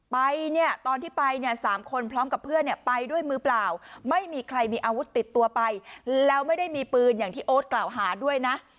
ไปเนี่ยตอนที่ไปเนี่ย๓คนพร้อมกับเพื่อนเนี่ยไปด้วยมือเปล่าไม่มีใครมีอาวุธติดตัวไปแล้วไม่ได้มีปืนอย่างที่โอ๊ตกล่าวหาด้วยนะ